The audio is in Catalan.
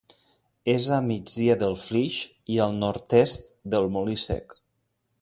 És a migdia del Flix i al nord-est del Molí Sec.